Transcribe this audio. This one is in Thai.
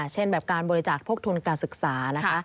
เช่นแบบการบริจาคพวกทุนการศึกษานะคะ